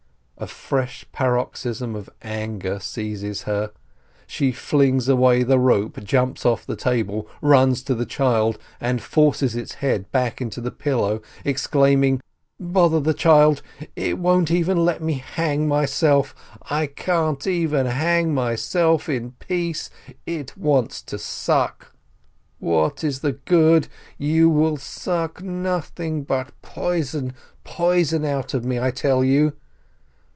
A fresh paroxysm of anger seizes her. She flings away the rope, jumps off the table, runs to the child, and forces its head back into the pillow, exclaiming : "Bother the child ! It won't even let me hang myself ! I can't even hang myself in peace! It wants to suck. What is the good? You will suck nothing but poison, poison, out of me, I tell you